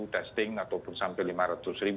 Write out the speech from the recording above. lima ratus testing atau sampai lima ratus